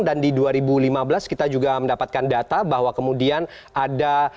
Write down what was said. dan di dua ribu lima belas kita juga mendapatkan data bahwa kemudian ada